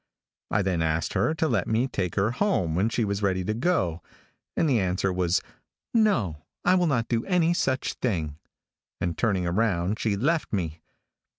I then asked her to let me take her home when she was ready to go, and the answer was, 'No, I will not do any such thing,' and turning round she left me.